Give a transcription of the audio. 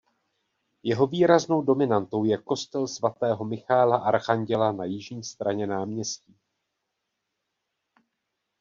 Jeho výraznou dominantou je kostel svatého Michaela archanděla na jižní straně náměstí.